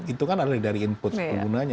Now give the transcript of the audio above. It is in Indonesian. itu kan ada dari input penggunanya